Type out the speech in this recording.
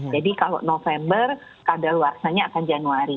jadi kalau november kadar luarsanya akan januari